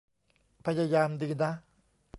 พยายามดีนะ